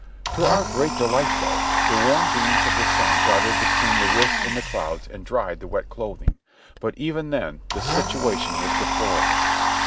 To our great delight, though, the warm beams of the sun darted between the rifts in the clouds and dried the wet clothing; but even then the situation was deplorable.